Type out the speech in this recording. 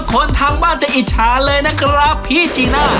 คนทางบ้านจะอิจฉาเลยนะครับพี่จีน่า